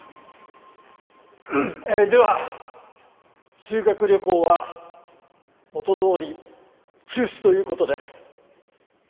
ええでは修学旅行は元どおり中止ということで。